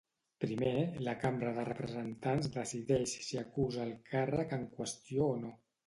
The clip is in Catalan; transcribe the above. Primer, la cambra de representants decideix si acusa el càrrec en qüestió o no.